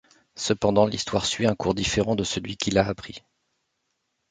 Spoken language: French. Cependant, l'histoire suit un cours différent de celui qu'il a appris.